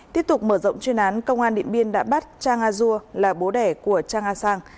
tiếp tục mở rộng chuyên án công an điện biên đã bắt chang a dua là bố đẻ của chang a sang